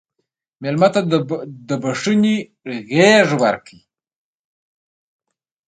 مېلمه ته د بښنې غېږ ورکړه.